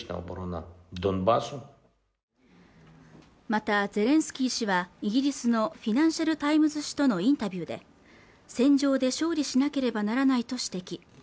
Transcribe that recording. またゼレンスキー氏はイギリスのフィナンシャル・タイムズ紙とのインタビューで戦場で勝利しなければならないと指摘